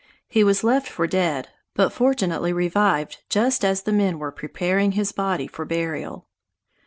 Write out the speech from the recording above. He was left for dead, but fortunately revived just as the men were preparing his body for burial.